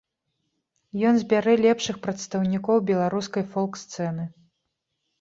Ён збярэ лепшых прадстаўнікоў беларускай фолк-сцэны.